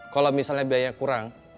kalau misalnya biaya kurang